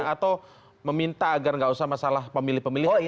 atau meminta agar nggak usah masalah pemilih pemilihan ini